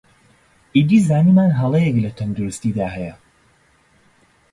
ئیدی زانیمان هەڵەیەک لە تەندروستیدا هەیە